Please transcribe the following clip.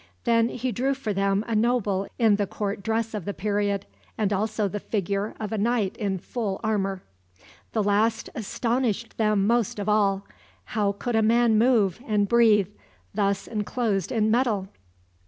Then he drew for them a noble in the court dress of the period, and also the figure of a knight in full armor. The last astonished them most of all. How could a man move and breathe, thus enclosed in metal?